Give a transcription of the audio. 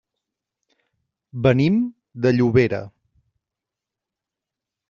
Venim de Llobera.